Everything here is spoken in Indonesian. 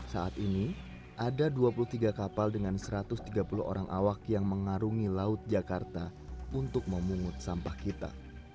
saat ini ada dua puluh tiga kapal dengan satu ratus tiga puluh orang awak yang mengarungi laut jakarta untuk memungut sampah kita